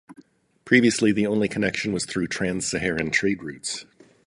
Previously, the only connection was through Trans-Saharan trade routes.